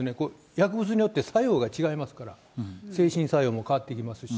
薬物によって作用が違いますから、精神作用も変わってきますし。